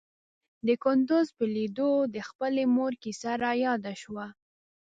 د کندوز په ليدو د خپلې مور کيسه راياده شوه.